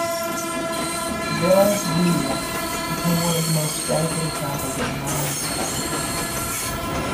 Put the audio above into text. Villa Giulia became one of the most delicate examples of Mannerist architecture.